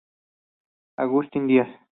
Agustín Díaz.